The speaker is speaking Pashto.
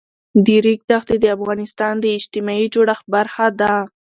د ریګ دښتې د افغانستان د اجتماعي جوړښت برخه ده.